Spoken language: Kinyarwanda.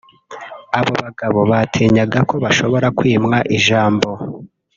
Abo bagabo batinyaga ko bashobora kwimwa ijambo